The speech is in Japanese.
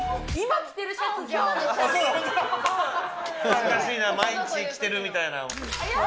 恥ずかしいな、毎日着てるみたいな。